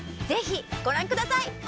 ぜひごらんください！